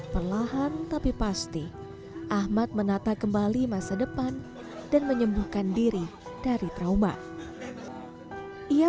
perlahan tapi pasti ahmad menata kembali masa depan dan menyembuhkan diri dari trauma ia